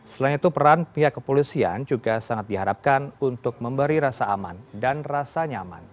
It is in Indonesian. selain itu peran pihak kepolisian juga sangat diharapkan untuk memberi rasa aman dan rasa nyaman